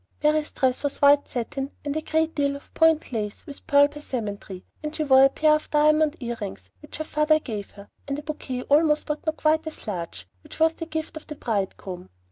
Mary's dress was white satin, with a great deal of point lace and pearl passementerie, and she wore a pair of diamond ear rings which her father gave her, and a bouquet almost but not quite as large, which was the gift of the bridegroom.